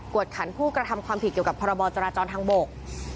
วดขันผู้กระทำความผิดเกี่ยวกับพรบจราจรทางบก